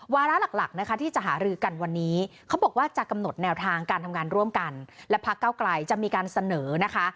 วาระหลักหลักนะคะที่จะหารือกันวันนี้เขาบอกว่าจะกำหนดแนวทางการทำงานร่วมกันและพักเก้าไกลจะมีการเสนอนะคะ